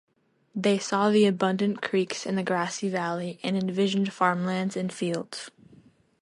They saw the abundant creeks and the grassy valley and envisioned farmlands and fields.